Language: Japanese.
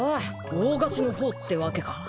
大勝ちの方ってわけか。